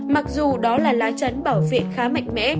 mặc dù đó là lá chắn bảo vệ khá mạnh mẽ